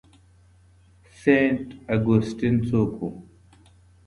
سینټ اګوستین څوک و؟